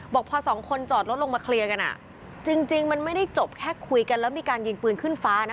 บอกพอสองคนจอดรถลงมาเคลียร์กันอ่ะจริงมันไม่ได้จบแค่คุยกันแล้วมีการยิงปืนขึ้นฟ้านะ